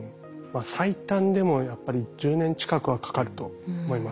最短でもやっぱり１０年近くはかかると思います。